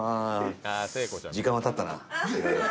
時間はたったな。